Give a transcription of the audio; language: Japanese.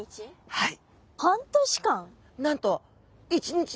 はい。